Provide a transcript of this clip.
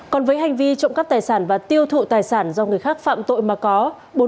còn với hành vi trộm cắp tài sản và tiêu thụ tài sản do người khác phạm tội mà có